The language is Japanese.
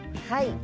はい。